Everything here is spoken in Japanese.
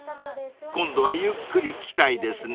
［今度はゆっくり来たいですね］